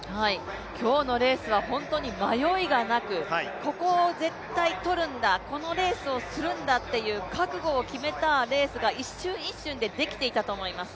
今日のレースは本当に迷いがなく、ここを絶対取るんだ、このレースをするんだという覚悟を決めたレースが一瞬、一瞬でできていたと思います。